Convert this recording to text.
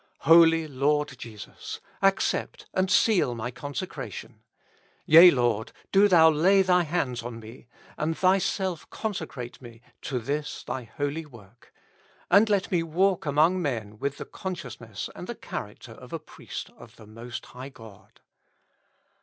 Holy Lord Jesus ! accept and seal my consecration. Yea, Lord, do Thou lay Thy hands on me, and Thy self consecrate me to this Thy holy work. And let me walk among men with the consciousness and the character of a priest of the Most High God.